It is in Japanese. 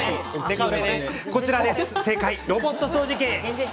正解は、ロボット掃除機。